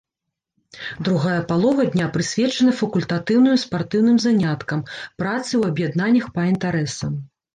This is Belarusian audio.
Другая палова дня прысвечана факультатыўным і спартыўным заняткам, працы ў аб'яднаннях па інтарэсам.